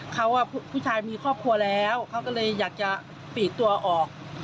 เขาผู้ชายมีครอบครัวแล้วเขาก็เลยอยากจะปีกตัวออก